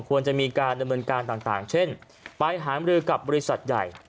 ควรจะมีการดำเนินการต่างเช่นไปหามรือกับบริษัทใหญ่